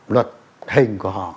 luật hình của họ